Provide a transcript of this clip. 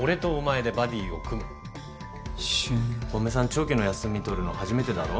長期の休み取るの初めてだろ？